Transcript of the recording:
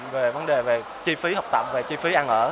vấn đề về chi phí học tập và chi phí ăn ở